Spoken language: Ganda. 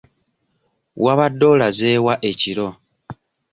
Wabadde olaze wa ekiro?